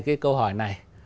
cái câu hỏi này